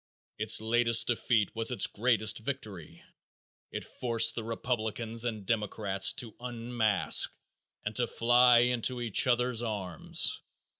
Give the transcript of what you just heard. Its latest defeat was its greatest victory. It forced the Republicans and Democrats to unmask and to fly into each other's arms.